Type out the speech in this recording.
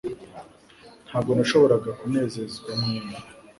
Ntabwo nashoboraga kunezezwa mwembi